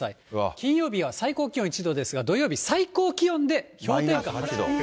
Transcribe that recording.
金曜日は最高気温１度ですが、土曜日、最高気温で氷点下８度。